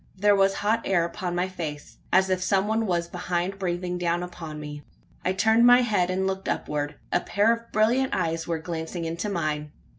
There was hot air upon my face as if some one was behind breathing down upon me. I turned my head, and looked upward. A pair of brilliant eyes were glancing into mine.